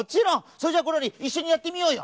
それじゃあゴロリいっしょにやってみようよ！